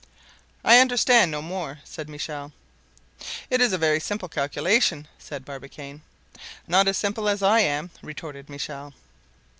"I understand no more," said Michel. "It is a very simple calculation," said Barbicane. "Not as simple as I am," retorted Michel.